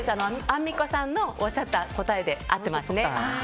アンミカさんのおっしゃった答えで合ってますね。